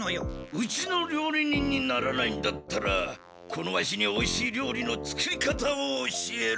うちの料理人にならないんだったらこのワシにおいしい料理の作り方を教えろ。